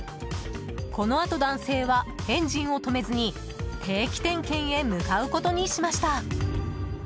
このあと男性はエンジンを止めずに定期点検へ向かうことにしました。